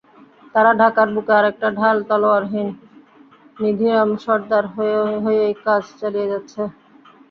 তারা ঢাকার বুকে অনেকটা ঢাল-তলোয়ারহীন নিধিরাম সর্দার হয়েই কাজ চালিয়ে যাচ্ছে।